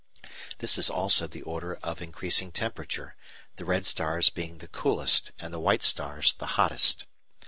This is also the order of increasing temperature, the red stars being the coolest and the white stars the hottest.